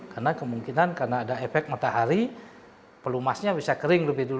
karena kemungkinan karena ada efek matahari pelumasnya bisa kering lebih dulu